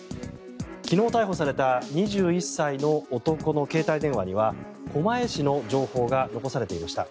昨日逮捕された２１歳の男の携帯電話には狛江市の情報が残されていました。